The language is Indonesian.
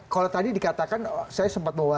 kalau tadi dikatakan saya sempat bawa